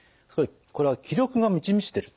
これは気力が満ち満ちてると。